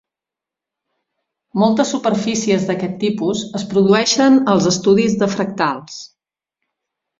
Moltes superfícies d"aquest tipus es produeixen als estudis de fractals.